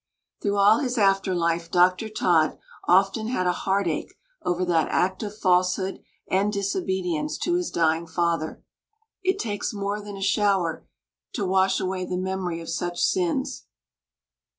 Through all his after life, Dr. Todd often had a heartache over that act of falsehood and disobedience to his dying father. It takes more than a shower to wash away the memory of such sins.